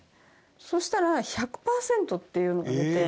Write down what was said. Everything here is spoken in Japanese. そしたら１００パーセントっていうのが出て。